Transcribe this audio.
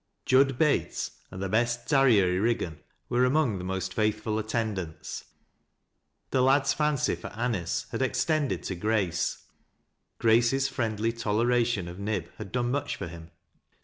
Jud Bates and " th' best tarrier i' liiggan" were among the most faithful attendants. The lad's fancy for Anice had extended to Grace. Grace's friendly toleration ni Nib liad done much for him.